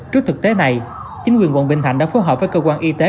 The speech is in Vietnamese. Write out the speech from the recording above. trước thực tế này chính quyền quận bình thạnh đã phối hợp với cơ quan y tế